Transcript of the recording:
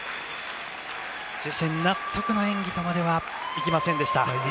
自身納得の演技とまではいきませんでした。